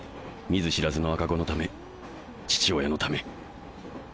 見ず知らずの赤子のため父親のため。